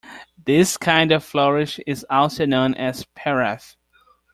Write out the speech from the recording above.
This kind of flourish is also known as a "paraph".